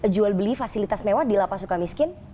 jual beli fasilitas mewah di lapas suka miskin